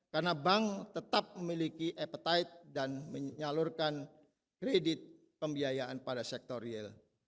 karena bank tetap memiliki appetite dan menyalurkan kredit pembiayaan pada sektor real